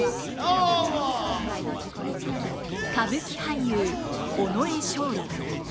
歌舞伎俳優尾上松緑。